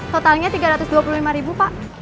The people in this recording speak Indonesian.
totalnya rp tiga ratus dua puluh lima pak